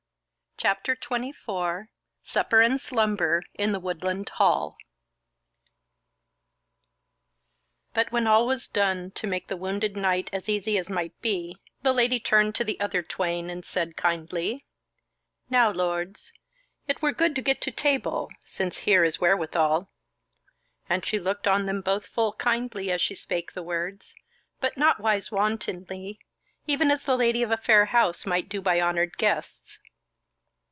CHAPTER 24 Supper and Slumber in the Woodland Hall But when all was done to make the wounded knight as easy as might be, the Lady turned to the other twain, and said kindly: "Now, lords, it were good to get to table, since here is wherewithal." And she looked on them both full kindly as she spake the words, but nowise wantonly; even as the lady of a fair house might do by honoured guests.